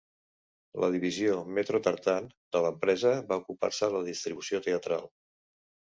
La divisió "Metro Tartan" de l'empresa va ocupar-se de la distribució teatral.